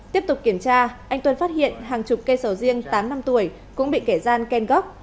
tiếp tục kiểm tra anh tuân phát hiện hàng chục cây sầu riêng tám năm tuổi cũng bị kẻ gian khen gốc